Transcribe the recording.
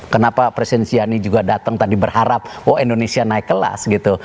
kenapa presiden siani juga datang tadi berharap indonesia naik kelas gitu